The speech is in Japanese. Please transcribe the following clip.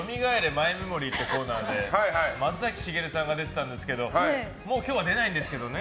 マイメモリーというコーナーで松崎しげるさんが出てたんですけど今日は出ないんですけどね。